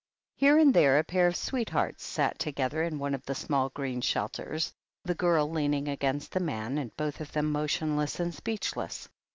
Here and there a pair of sweethearts sat together in one of the small green shelters — ^the girl leaning against the man, and both of them motionless and speechless.